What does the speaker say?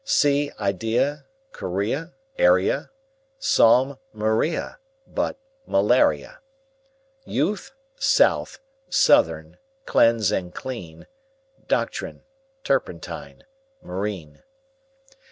Sea, idea, guinea, area, Psalm; Maria, but malaria; Youth, south, southern; cleanse and clean; Doctrine, turpentine, marine.